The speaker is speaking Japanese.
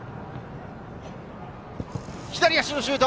左足のシュート！